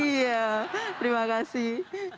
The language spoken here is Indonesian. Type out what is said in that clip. iya terima kasih